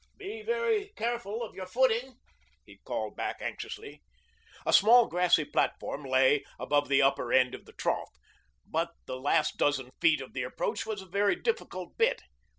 "Be very careful of your footing," he called back anxiously. A small grassy platform lay above the upper end of the trough, but the last dozen feet of the approach was a very difficult bit.